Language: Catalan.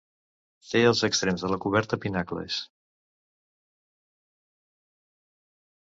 Té als extrems de la coberta pinacles.